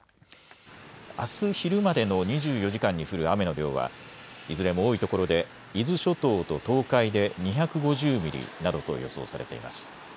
あす昼までの２４時間に降る雨の量はいずれも多いところで伊豆諸島と東海で２５０ミリなどと予想されています。